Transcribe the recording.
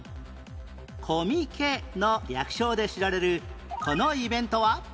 「コミケ」の略称で知られるこのイベントは？